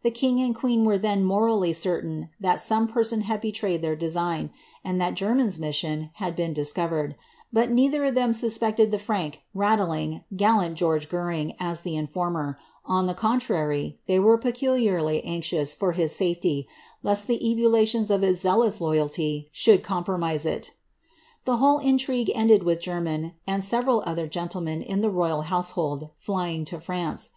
The king and queen were then morally certain that some person had beuayed their design, and that Jermyn's mission had been discovered ; but neither of them suspected the frank, rattling, gallant George Goring, IS the informer — on the contrary, they were peculiarly anxious for his iafety, lest the ebullitions of his zealous loyalty should compromise it. The whole intrigue ended with Jermyn, and several other gentlemen in the royal household, flying to France.